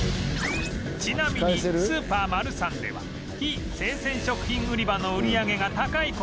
ちなみにスーパーマルサンでは非生鮮食品売り場の売り上げが高い事が多い